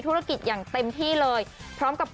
ผูกเชือกรองเท้า